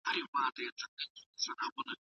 رسول الله د دعوت په منلو ولي دومره ټينګار کړی دی؟